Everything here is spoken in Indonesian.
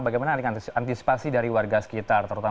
bagaimana antisipasi dari warga sekitar terutama dari para pendaki